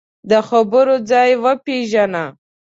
د خبرو ځای وپېژنه